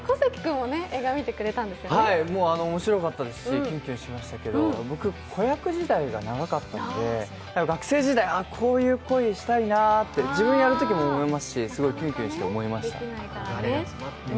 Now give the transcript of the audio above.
おもしろかったですしキュンキュンしましたけど僕、子役時代が長かったので、学生時代、こういう恋したいなと自分がやるときも思いますし、すごいキュンキュンして、思いました。